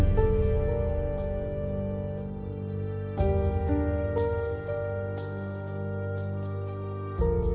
โปรดติดตามต่อไป